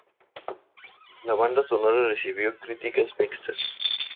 La banda sonora recibió críticas mixtas.